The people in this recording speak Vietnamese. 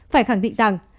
phải khẳng định rằng